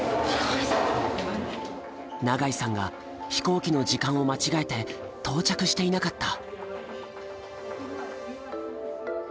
永井さんが飛行機の時間を間違えて到着していなかった。